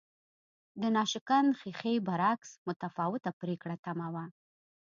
د ناشکن ښیښې برعکس متفاوته پرېکړه تمه وه